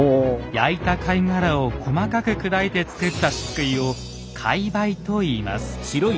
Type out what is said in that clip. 焼いた貝殻を細かく砕いて作ったしっくいを「貝灰」と言います。